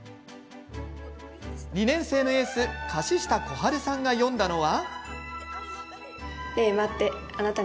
２年のエース樫下小春さんが詠んだのは。